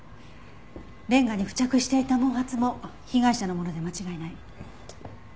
レンガに付着していた毛髪も被害者のもので間違いない。